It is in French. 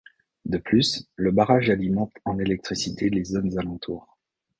De plus, le barrage alimente en électricité les zones alentours.